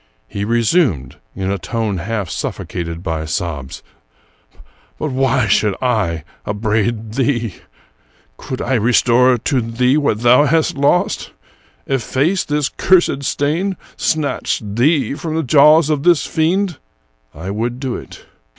He resumed, in a tone half suffocated by sobs: —" But why should I upbraid thee ? Could I restore to thee what thou hast lost, efface this cursed stain, snatch thee from the jaws of this fiend, I would do it.